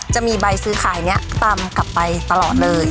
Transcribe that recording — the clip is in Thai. จะมีใบซื้อขายนี้ตามกลับไปตลอดเลย